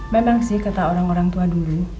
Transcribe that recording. memang sih kata orang orang tua dulu